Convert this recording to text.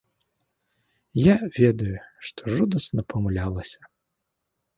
Я ведаю, што жудасна памылялася.